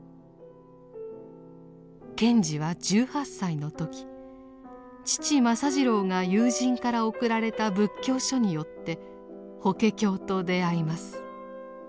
賢治は１８歳の時父政次郎が友人から贈られた仏教書によって法華経と出会います。